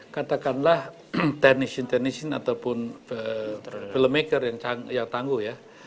katakanlah technician teachers ataupun filmmaker yang tangguh ya